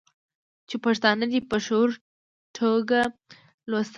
چې پښتانه دې په شعوري ټوګه لوستي شي.